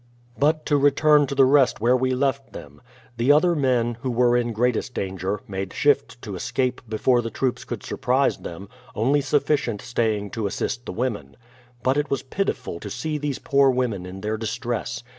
But to return to the rest where we left them. The other men, who were in greatest danger, made shift to escape before the troops could surprise them, only sufficient stay ing to assist the women. But it was pitiful to see these poor women in their distress.